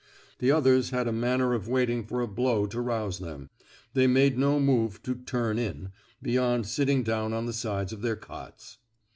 The others had a manner of waiting for a blow to rouse them; they made no move to turn in,*' beyond sitting down on the sides of their cots.